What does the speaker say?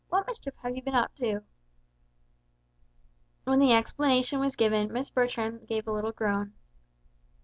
What mischief have you been up to?" When the explanation was given Miss Bertram gave a little groan.